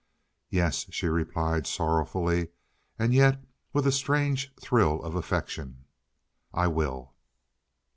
"Yes," she replied sorrowfully, and yet with a strange thrill of affection. "I will."